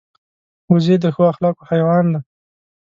وزې د ښو اخلاقو حیوان دی